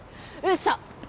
嘘！